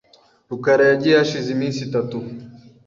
rukara yagiye hashize iminsi itatu .